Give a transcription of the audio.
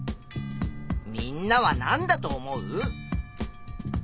みんなは何だと思う？